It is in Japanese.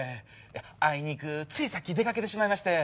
あいにくついさっき出かけてしまいまして。